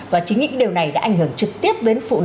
và chính những điều này đã ảnh hưởng trực tiếp